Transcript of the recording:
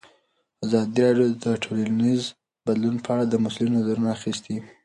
ازادي راډیو د ټولنیز بدلون په اړه د مسؤلینو نظرونه اخیستي.